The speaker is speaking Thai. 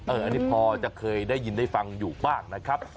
อันนี้พอจะเคยได้ยินได้ฟังอยู่บ้างนะครับ